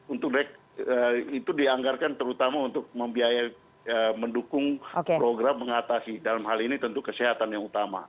untuk itu dianggarkan terutama untuk membiayai mendukung program mengatasi dalam hal ini tentu kesehatan yang utama